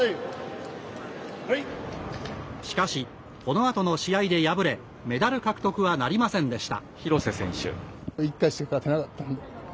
しかし、このあとの試合で敗れメダル獲得はなりませんでした。